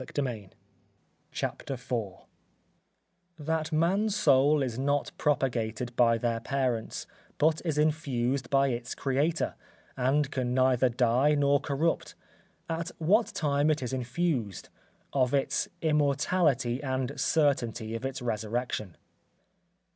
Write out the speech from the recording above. CHAPTER IV _That Man's Soul is not propagated by their parents, but is infused by its Creator, and can neither die nor corrupt. At what time it is infused. Of its immortality and certainty of its resurrection.